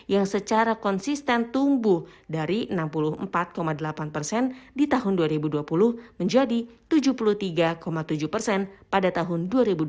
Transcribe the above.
yang secara konsisten tumbuh dari enam puluh empat delapan persen di tahun dua ribu dua puluh menjadi tujuh puluh tiga tujuh persen pada tahun dua ribu dua puluh